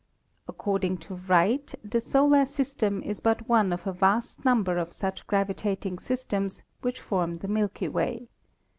According to Wright, the solar system is but one of a vast number of such gravitating systems which form the Milky Way.